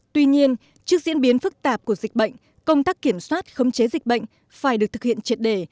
tuy nhiên trước diễn biến phức tạp của dịch bệnh công tác kiểm soát khống chế dịch bệnh phải được thực hiện triệt đề